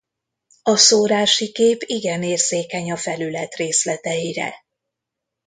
A szórási kép igen érzékeny a felület részleteire.